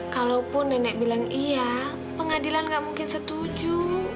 kalaupun nenek bilang iya pengadilan gak mungkin setuju